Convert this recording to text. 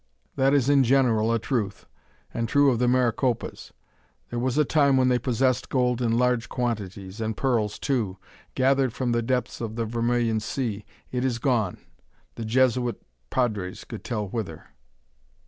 "That is in general a truth; and true of the Maricopas. There was a time when they possessed gold in large quantities, and pearls too, gathered from the depths of the Vermilion Sea. It is gone. The Jesuit padres could tell whither."